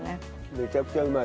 めちゃくちゃうまい。